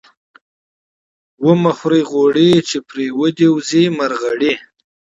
ـ ومه خورئ غوړي ،چې پرې ودې وځي مړغړي.